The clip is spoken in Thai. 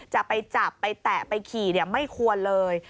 จะไปจับไปแตะไปขี่ไม่ควรเลย